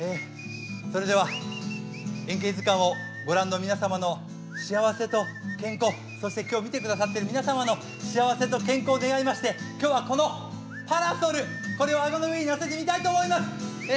それでは「演芸図鑑」をご覧の皆様の幸せと健康そして今日見てくださっている皆様の幸せと健康を願いまして今日はこのパラソルこれを顎の上にのせてみたいと思います。